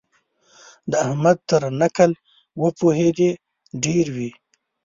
د احمد تر نکل وپوهېدې ډېر وي.